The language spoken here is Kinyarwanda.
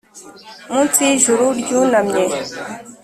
munsi y'ijuru ryunamye